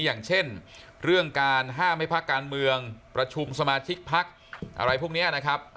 อย่างเช่นเรื่องการห้ามให้พักการเมืองประชุมสมาชิกพักอะไรพวกนี้นะครับ